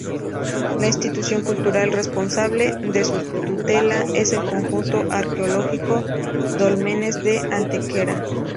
La institución cultural responsable de su tutela es el Conjunto Arqueológico Dólmenes de Antequera.